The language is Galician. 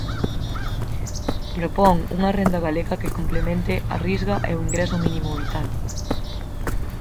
Propón unha renda galega que complemente a Risga e o Ingreso Mínimo Vital.